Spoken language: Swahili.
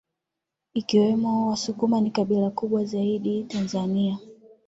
Ikiwemo Wasukuma ni kabila kubwa zaidi Tanzania